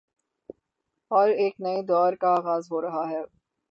اورایک نئے دور کا آغاز ہو رہاہے۔